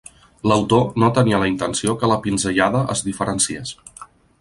L’autor no tenia la intenció que la pinzellada es diferenciés.